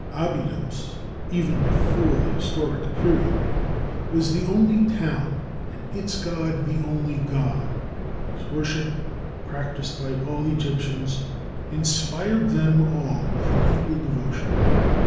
Abydos, even before the historic period, was the only town, and its god the only god, whose worship, practised by all Egyptians, inspired them all with an equal devotion.